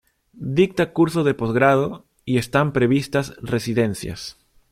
Dicta cursos de posgrado, y están previstas residencias.